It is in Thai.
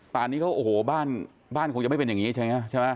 ป่านนี้เขาโอ้โหบ้านบ้านคงจะไม่เป็นอย่างนี้ใช่ไหม